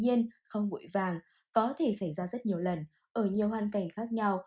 nhiên không vội vàng có thể xảy ra rất nhiều lần ở nhiều hoàn cảnh khác nhau